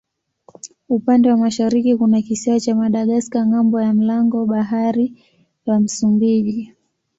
Upande wa mashariki kuna kisiwa cha Madagaska ng'ambo ya mlango bahari wa Msumbiji.